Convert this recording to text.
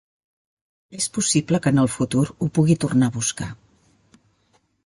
És possible que en el futur ho pugui tornar a buscar.